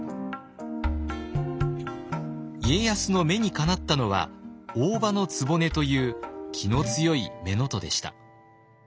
家康の目にかなったのは大姥局という気の強い乳母でした。